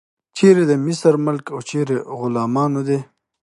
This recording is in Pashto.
چیرې د مصر ملک او چیرې د غلامانو دی.